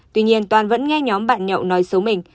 tuy nhiên toàn vẫn nghe nhóm bạn nhậu nói xấu mình